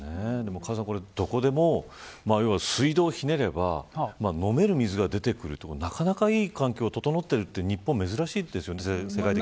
どこでも水道をひねれば飲める水が出てくるってなかなかいい環境が整っているのは日本は珍しいですよね。